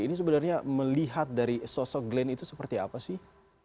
ini sebenarnya melihat dari sosok glenn itu seperti apa sih